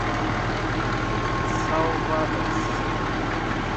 ressalvadas